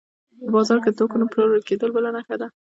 په بازار کې د توکو نه پلورل کېدل بله نښه ده